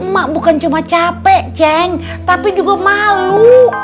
mak bukan cuma capek ceng tapi juga malu